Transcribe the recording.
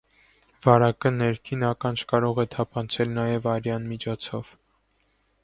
Վարակը ներքին ականջկարող է թափանցել նաև արյան միջոցով։